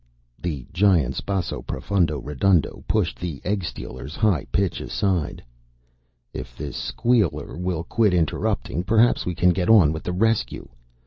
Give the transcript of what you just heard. The Giant's basso profundo redundo pushed the egg stealer's high pitch aside. "If this squeaker will quit interrupting, perhaps we can get on with the rescue.